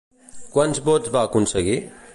Quants vots van aconseguir?